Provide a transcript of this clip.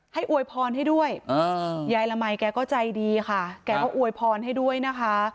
อวยพรให้ด้วยยายละมัยแกก็ใจดีค่ะแกก็อวยพรให้ด้วยนะคะ